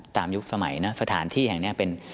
ยุคสมัยนะสถานที่แห่งนี้เป็น